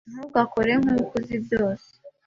Ntugakore nkuko uzi byose.